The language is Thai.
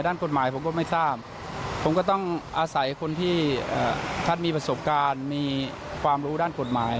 ด้านกฎหมายผมก็ไม่ทราบผมก็ต้องอาศัยคนที่ท่านมีประสบการณ์มีความรู้ด้านกฎหมาย